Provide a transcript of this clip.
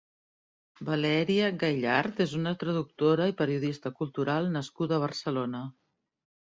Valèria Gaillard és una traductora i periodista cultural nascuda a Barcelona.